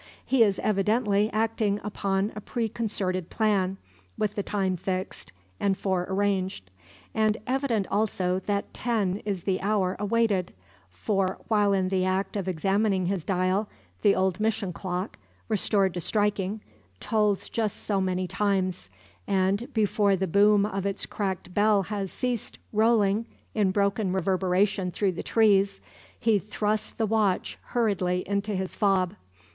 He is evidently acting upon a preconcerted plan, with the time fixed and fore arranged. And evident also that ten is the hour awaited; for, while in the act of examining his dial, the old mission clock, restored to striking, tolls just so many times; and, before the boom of its cracked bell has ceased rolling in broken reverberation through the trees, he thrusts the watch hurriedly into his fob.